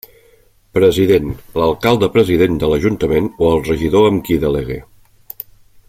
President: l'alcalde-president de l'Ajuntament o el regidor em qui delegue.